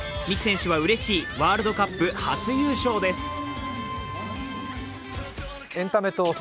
三木選手はうれしいワールドカップ初優勝です。